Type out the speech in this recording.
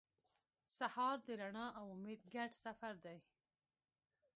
سهار د رڼا او امید ګډ سفر دی.